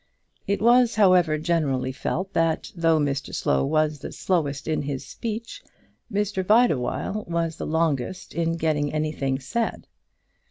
It was, however, generally felt that, though Mr Slow was the slowest in his speech, Mr Bideawhile was the longest in getting anything said.